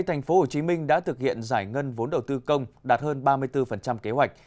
thành phố hồ chí minh đã thực hiện giải ngân vốn đầu tư công đạt hơn ba mươi bốn kế hoạch